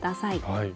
はい。